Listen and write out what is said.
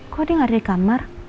kok ada yang ngadir di kamar